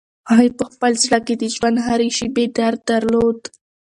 هغې په خپل زړه کې د ژوند د هرې شېبې درد درلود.